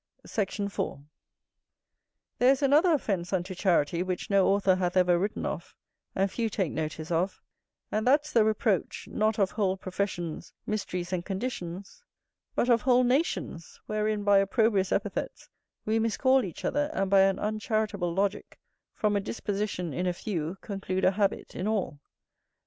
Sect. 4. There is another offence unto charity, which no author hath ever written of, and few take notice of, and that's the reproach, not of whole professions, mysteries, and conditions, but of whole nations, wherein by opprobrious epithets we miscall each other, and, by an uncharitable logick, from a disposition in a few, conclude a habit in all.